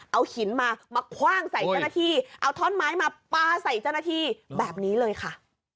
เอาหินมามาคว่างใส่เจ้าหน้าที่เอาท่อนไม้มาปลาใส่เจ้าหน้าที่แบบนี้เลยค่ะ